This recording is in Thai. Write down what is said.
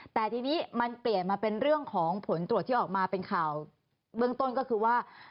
แต่ทีนี้มันเปลี่ยนมาเป็นเรื่องของผลตรวจที่ออกมาเป็นข่าวเบื้องต้นก็คือว่า